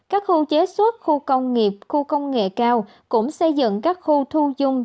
các khu chế xuất khu công nghiệp khu công nghệ cao cũng xây dựng các khu thu dung